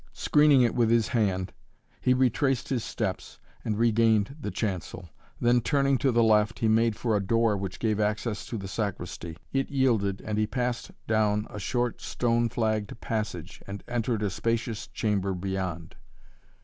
Screening it with his hand he retraced his steps and regained the chancel. Then, turning to the left, he made for a door which gave access to the sacristy. It yielded and he passed down a short, stone flagged passage and entered a spacious chamber beyond.